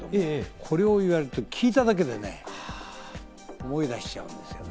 これを聞いただけでね、思い出しちゃうんですよね。